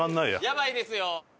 やばいですよ！